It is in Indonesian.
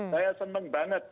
saya seneng banget